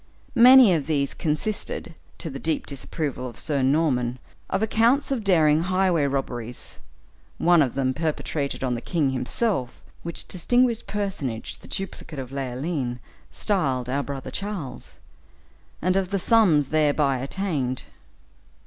Many of these consisted, to the deep disapproval of Sir Norman, of accounts of daring highway robberies, one of them perpetrated on the king himself, which distinguished personage the duplicate of Leoline styled "our brother Charles," and of the sums thereby attained.